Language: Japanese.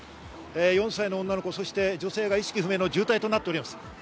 ４歳の女の子、そして女性が意識不明の重体となっております。